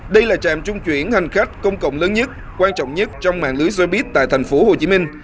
đây là trạm trung chuyển hành khách công cộng lớn nhất quan trọng nhất trong mạng lưới xe buýt tại thành phố hồ chí minh